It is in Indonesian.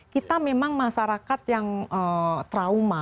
kita memang masyarakat yang trauma